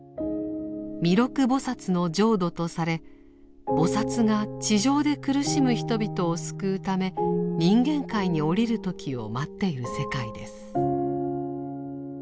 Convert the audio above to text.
弥勒菩の浄土とされ菩が地上で苦しむ人々を救うため人間界に降りる時を待っている世界です。